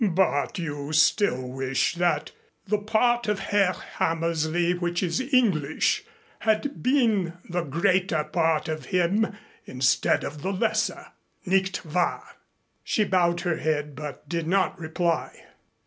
"But you still wish that the part of Herr Hammersley which is English had been the greater part of him instead of the lesser, nicht wahr?" She bowed her head but did not reply.